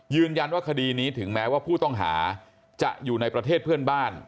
ยืนยันว่าคดีนี้ถึงแม้ว่าผู้ต้องหาจะอยู่ในประเทศเพื่อนบ้าน